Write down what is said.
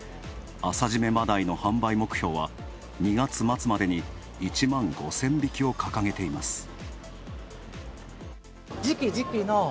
朝〆真鯛の販売目標は２月末までに１万５０００匹を掲げています。